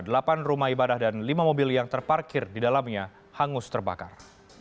delapan rumah ibadah dan lima mobil yang terparkir di dalamnya hangus terbakar